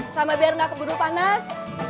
sama biar nggak keburu panas